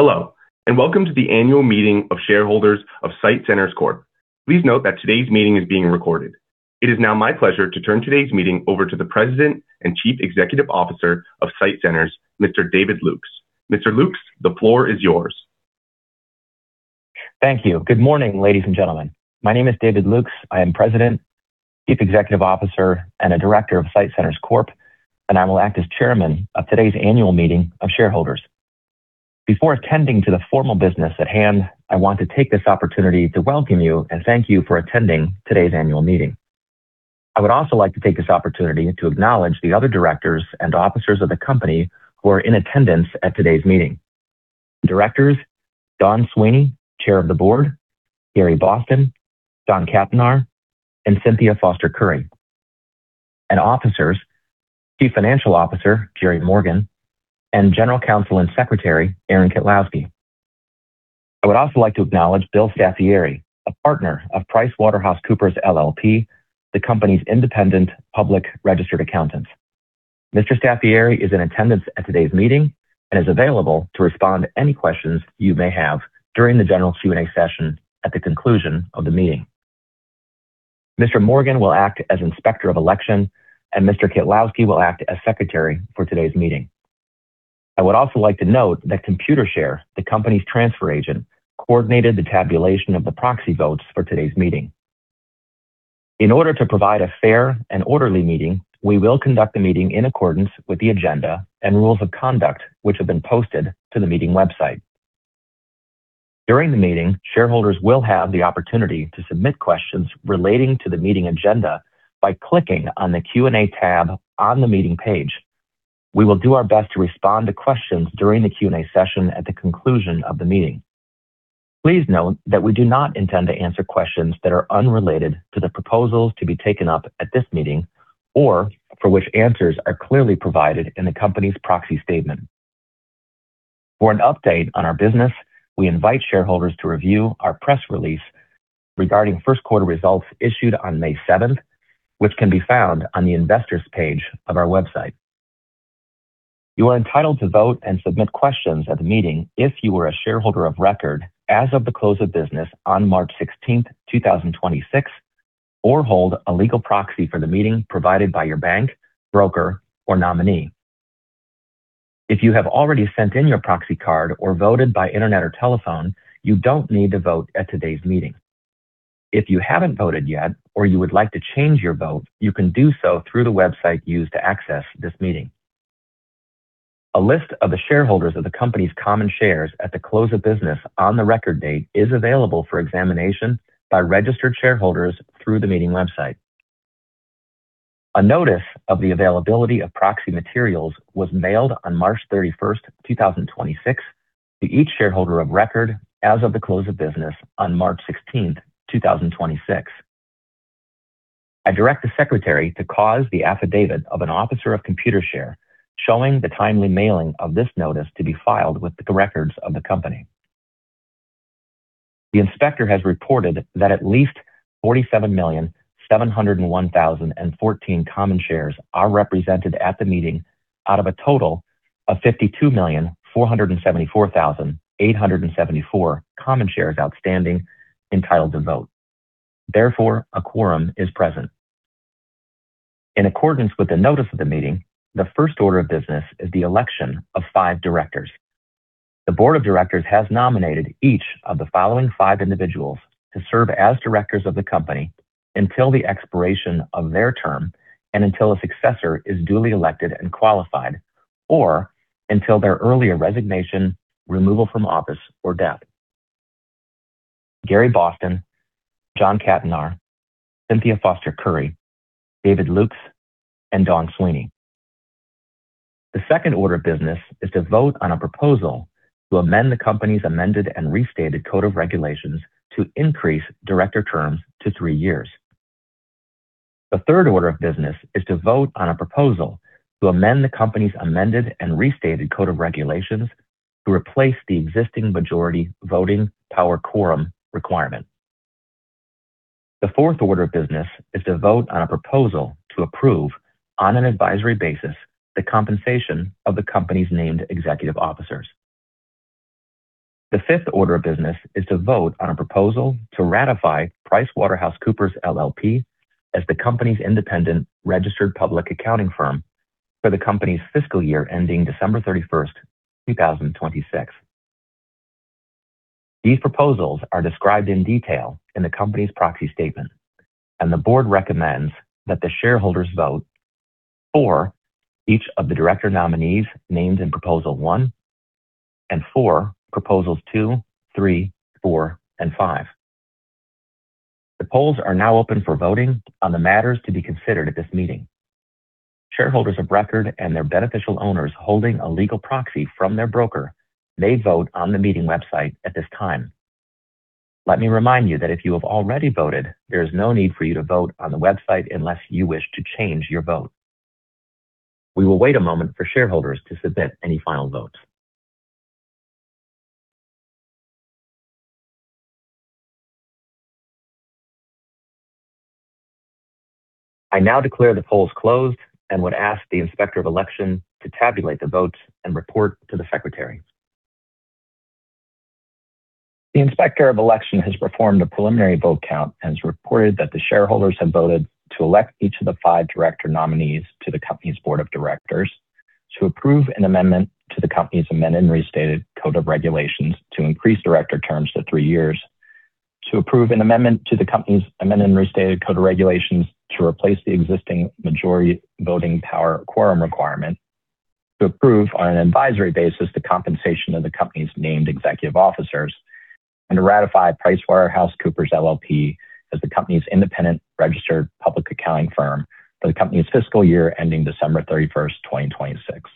Hello, and welcome to the annual meeting of shareholders of SITE Centers Corp. Please note that today's meeting is being recorded. It is now my pleasure to turn today's meeting over to the President and Chief Executive Officer of SITE Centers, Mr. David Lukes. Mr. Lukes, the floor is yours. Thank you. Good morning, ladies and gentlemen. My name is David Lukes. I am President, Chief Executive Officer, and a Director of SITE Centers Corp, and I will act as Chairman of today's annual meeting of shareholders. Before attending to the formal business at hand, I want to take this opportunity to welcome you and thank you for attending today's annual meeting. I would also like to take this opportunity to acknowledge the other Directors and Officers of the company who are in attendance at today's meeting. Directors Dawn Sweeney, Chair of the Board, Gary N. Boston, John M. Cattonar, and Cynthia Foster Curry. Officers, Chief Financial Officer Gerry Morgan, and General Counsel and Secretary Aaron M. Kitlowski. I would also like to acknowledge Bill Staffieri, a Partner of PricewaterhouseCoopers LLP, the company's independent public registered accountant. Mr. Staffieri is in attendance at today's meeting and is available to respond to any questions you may have during the general Q&A session at the conclusion of the meeting. Mr. Morgan will act as inspector of election, and Mr. Kitlowski will act as secretary for today's meeting. I would also like to note that Computershare, the company's transfer agent, coordinated the tabulation of the proxy votes for today's meeting. In order to provide a fair and orderly meeting, we will conduct the meeting in accordance with the agenda and rules of conduct which have been posted to the meeting website. During the meeting, shareholders will have the opportunity to submit questions relating to the meeting agenda by clicking on the Q&A tab on the meeting page. We will do our best to respond to questions during the Q&A session at the conclusion of the meeting. Please note that we do not intend to answer questions that are unrelated to the proposals to be taken up at this meeting or for which answers are clearly provided in the company's proxy statement. For an update on our business, we invite shareholders to review our press release regarding first quarter results issued on May 7th, which can be found on the investors page of our website. You are entitled to vote and submit questions at the meeting if you are a shareholder of record as of the close of business on March 16th, 2026, or hold a legal proxy for the meeting provided by your bank, broker, or nominee. If you have already sent in your proxy card or voted by internet or telephone, you don't need to vote at today's meeting. If you haven't voted yet or you would like to change your vote, you can do so through the website used to access this meeting. A list of the shareholders of the company's common shares at the close of business on the record date is available for examination by registered shareholders through the meeting website. A notice of the availability of proxy materials was mailed on March 31st, 2026 to each shareholder of record as of the close of business on March 16th, 2026. I direct the secretary to cause the affidavit of an officer of Computershare showing the timely mailing of this notice to be filed with the records of the company. The inspector has reported that at least 47,701,014 common shares are represented at the meeting out of a total of 52,474,874 common shares outstanding entitled to vote. Therefore, a quorum is present. In accordance with the notice of the meeting, the first order of business is the election of five directors. The board of directors has nominated each of the following five individuals to serve as directors of the company until the expiration of their term and until a successor is duly elected and qualified or until their earlier resignation, removal from office, or death. Gary Boston, John Cattonar, Cynthia Foster Curry, David Lukes, and Dawn Sweeney. The second order of business is to vote on a proposal to amend the company's Amended and Restated Code of Regulations to increase director terms to three years. The third order of business is to vote on a proposal to amend the company's Amended and Restated Code of Regulations to replace the existing majority voting power quorum requirement. The fourth order of business is to vote on a proposal to approve, on an advisory basis, the compensation of the company's named executive officers. The fifth order of business is to vote on a proposal to ratify PricewaterhouseCoopers LLP as the company's independent registered public accounting firm for the company's fiscal year ending December 31st, 2026. These proposals are described in detail in the company's proxy statement. The board recommends that the shareholders vote for each of the director nominees named in proposal one and for proposals two, three, four, and five. The polls are now open for voting on the matters to be considered at this meeting. Shareholders of record and their beneficial owners holding a legal proxy from their broker may vote on the meeting website at this time. Let me remind you that if you have already voted, there is no need for you to vote on the website unless you wish to change your vote. We will wait a moment for shareholders to submit any final votes. I now declare the polls closed and would ask the inspector of election to tabulate the votes and report to the secretary. The inspector of election has performed a preliminary vote count and has reported that the shareholders have voted to elect each of the five director nominees to the company's board of directors, to approve an amendment to the company's amended and restated code of regulations to increase director terms to three years, to approve an amendment to the company's amended and restated code of regulations to replace the existing majority voting power quorum requirement, to approve, on an advisory basis, the compensation of the company's named executive officers, and to ratify PricewaterhouseCoopers LLP as the company's independent registered public accounting firm for the company's fiscal year ending December 31st, 2026.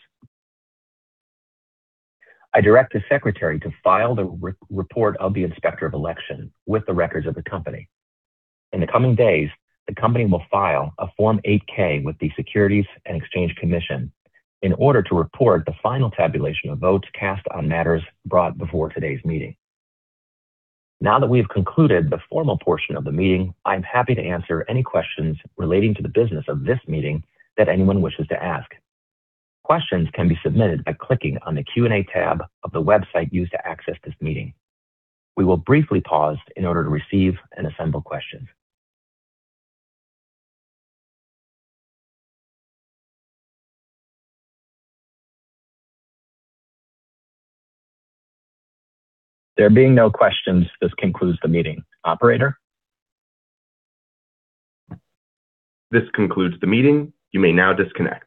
I direct the secretary to file the report of the inspector of election with the records of the company. In the coming days, the company will file a Form 8-K with the Securities and Exchange Commission in order to report the final tabulation of votes cast on matters brought before today's meeting. Now that we have concluded the formal portion of the meeting, I'm happy to answer any questions relating to the business of this meeting that anyone wishes to ask. Questions can be submitted by clicking on the Q&A tab of the website used to access this meeting. We will briefly pause in order to receive and assemble questions. There being no questions, this concludes the meeting. Operator? This concludes the meeting. You may now disconnect.